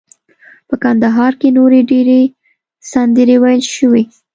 په کندهار کې نورې ډیرې سندرې ویل شوي.